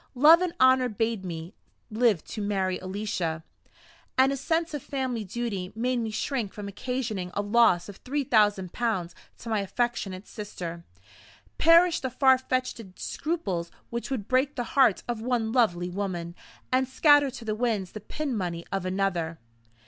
Love and Honor bade me live to marry Alicia; and a sense of family duty made me shrink from occasioning a loss of three thousand pounds to my affectionate sister. Perish the far fetched scruples which would break the heart of one lovely woman, and scatter to the winds the pin money of another!